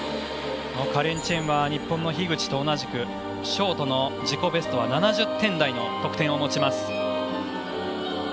カレン・チェンは日本の樋口と同じくショートの自己ベストは７０点台の得点を持ちます。